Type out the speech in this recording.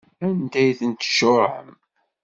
Anda ay ten-tcuṛɛem?